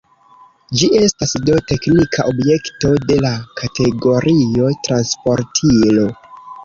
Ĝi estas do teknika objekto, de la kategorio «transportilo».